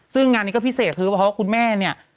ซึ่งงานนี้ก็พิเศษคือเพราะคุณแม่เนี่ย